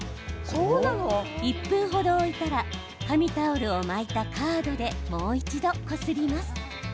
１分程、置いたら紙タオルを巻いたカードでもう一度こすります。